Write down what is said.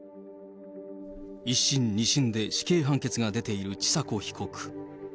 １審、２審で死刑判決が出ている千佐子被告。